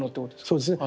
そうですね。